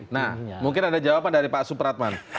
nah mungkin ada jawaban dari pak supratman